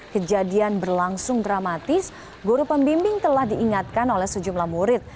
kejadian berlangsung dramatis guru pembimbing telah diingatkan oleh sejumlah murid